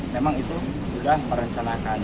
memang itu sudah merencanakan